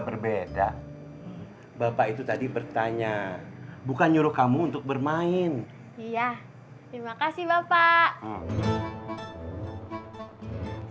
berbeda bapak itu tadi bertanya bukan nyuruh kamu untuk bermain iya terima kasih bapak